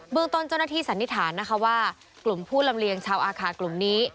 เมืองต้นเจ้าหน้าที่สันนิษฐานนะคะว่ากลุ่มผู้ลำเลียงชาวอาคากลุ่มนี้